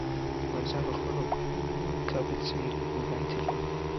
افغانستان په خپلو کابل سیند اوبو باندې تکیه لري.